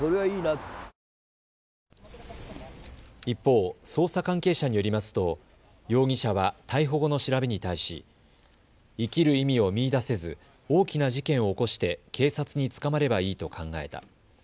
一方、捜査関係者によりますと容疑者は逮捕後の調べに対し生きる意味を見いだせず大きな事件を起こして警察に捕まればいいと考えた。